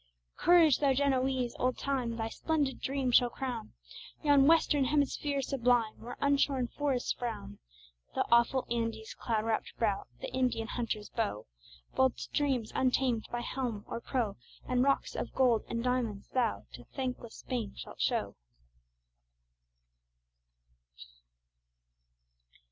Courage, thou Genoese! Old Time Thy splendid dream shall crown; Yon Western Hemisphere sublime, Where unshorn forests frown, The awful Andes' cloud wrapt brow, The Indian hunter's bow, Bold streams untamed by helm or prow, And rocks of gold and diamonds, thou To thankless Spain shalt show.